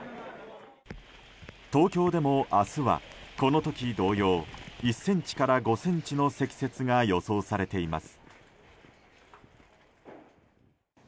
東京でも、明日はこの時同様１ｃｍから５ｃｍの積雪が予想されています。